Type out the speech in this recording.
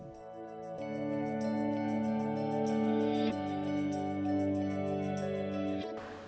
proses penyemaian garam